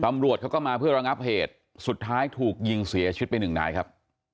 ตำรวจเขาก็มาเพื่อระงับเหตุสุดท้ายถูกยิงเสียชีวิตไปหนึ่งนายครับ